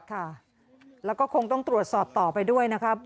ค่ะแล้วก็คงต้องตรวจสอบต่อไปด้วยนะครับ